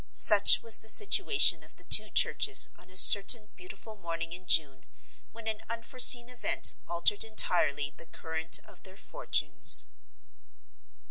Such was the situation of the two churches on a certain beautiful morning in June, when an unforeseen event altered entirely the current of their fortunes.